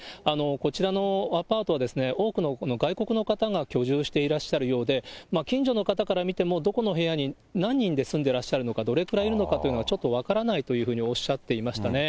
こちらのアパートは多くの外国の方が居住していらっしゃるようで、近所の方から見ても、どこの部屋に何人で住んでいらっしゃるのか、どれくらいいるのかというのがちょっと分からないというふうにおっしゃっていましたね。